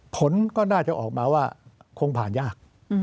ผลก็น่าจะออกมาว่าคงผ่านยาก